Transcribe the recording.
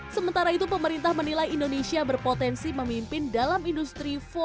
sementara itu pemerintah menilai indonesia berpotensi memimpin dalam industri empat